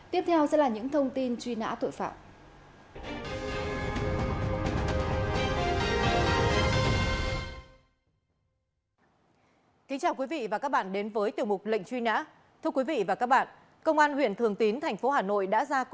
tiếp theo sẽ là những thông tin truy nã tội phạm